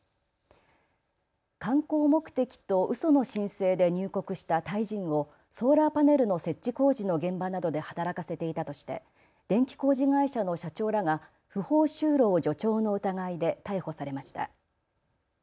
観光目的とうその申請で入国したタイ人をソーラーパネルの設置工事の現場などで働かせていたとして電気工事会社の社長らが不法就労助長の疑いで逮捕されました。